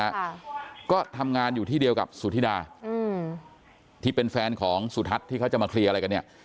ค่ะก็ทำงานอยู่ที่เดียวกับสุธิดาอืมที่เป็นแฟนของสุทัศน์ที่เขาจะมาเคลียร์อะไรกันเนี้ย